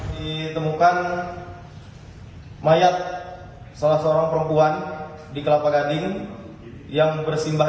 di temukan mayat seorang perempuan di kelapa gading yang bersimbah darah